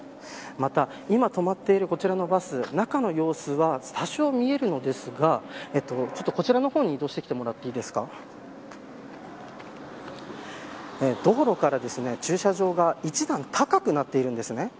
今、止まっているこちらのバス中の様子は多少、見えるのですがこちらの方に移動してきてもらっていいですか道路から駐車場が一段高くなっているんですね。